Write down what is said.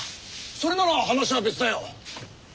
それなら話は別だよ。